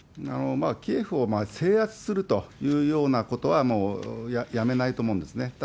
キエフを制圧するというようなことは、もうやめないと思うんですね。